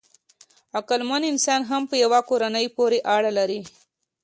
عقلمن انسان هم په یوه کورنۍ پورې اړه لري.